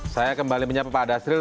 saya kembali menyapa pak dasril